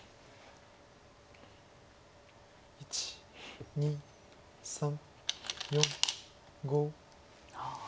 １２３４５。